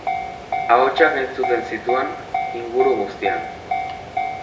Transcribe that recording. Ahotsak entzuten zituan inguru guztian.